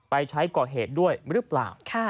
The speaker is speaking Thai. ใช้ก่อเหตุด้วยหรือเปล่า